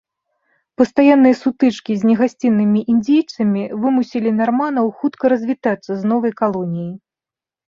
Пастаянныя сутычкі з негасціннымі індзейцамі вымусілі нарманаў хутка развітацца з новай калоніяй.